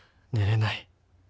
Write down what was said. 寝れない